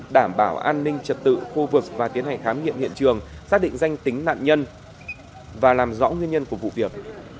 đảm bảo an ninh trật tự khu vực và tiến hành khám nghiệm hiện trường xác định danh tính nạn nhân và làm rõ nguyên nhân của vụ việc